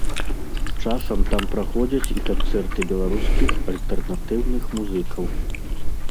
Часам там праходзяць і канцэрты беларускіх альтэрнатыўных музыкаў.